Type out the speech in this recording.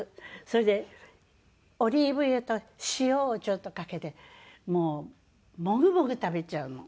それでオリーブ油と塩をちょっとかけてもうモグモグ食べちゃうの。